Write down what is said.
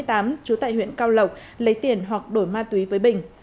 trú tại huyện cao lộc lấy tiền hoặc đổi ma túy với bình